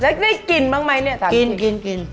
แล้วนี่กลิ่นบ้างมั้ยเนี่ยทานพี่กลิ่น